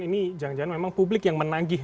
ini jangan jangan memang publik yang menagih